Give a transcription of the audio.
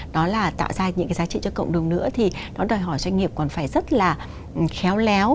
đó là tạo ra những cái giá trị cho cộng đồng nữa thì nó đòi hỏi doanh nghiệp còn phải rất là khéo léo